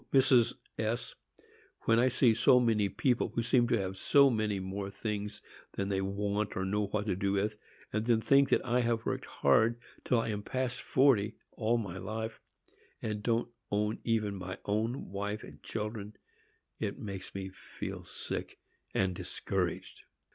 Mrs. S——, when I see so many people who seem to have so many more things than they want or know what to do with, and then think that I have worked hard, till I am past forty, all my life, and don't own even my own wife and children, it makes me feel sick and discouraged!